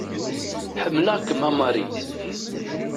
Ḥemmeleɣ-kem, a Mary.